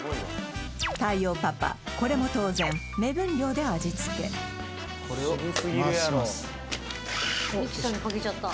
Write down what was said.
太陽パパこれも当然目分量で味付けこれを回します